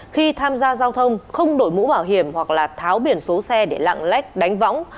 khi tham gia giao thông không đổi mũ bảo hiểm hoặc là tháo biển số xe để lạng lách đánh võng